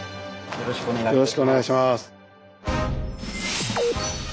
よろしくお願いします。